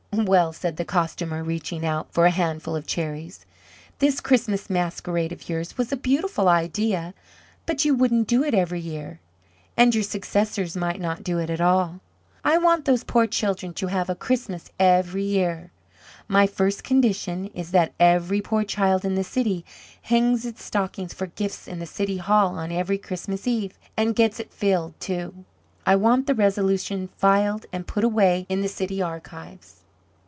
"Well" said the Costumer, reaching out for a handful of cherries, "this Christmas Masquerade of yours was a beautiful idea; but you wouldn't do it every year, and your successors might not do it at all. I want those poor children to have a Christmas every year. My first condition is that every poor child in the city hangs its stocking for gifts in the City Hall on every Christmas Eve, and gets it filled, too. I want the resolution filed and put away in the city archives."